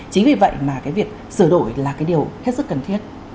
chính vì vậy mà cái việc sửa đổi là cái điều hết sức cần thiết